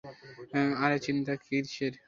আরে, চিন্তা কীসের?